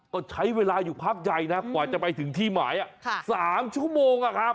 ก็ใช้เวลาอยู่ภาพใจนะกว่าจะไปถึงที่หมาย๓ชั่วโมงอ่ะครับ